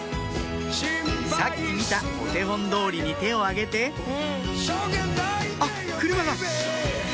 さっき見たお手本通りに手を上げてあっ車が！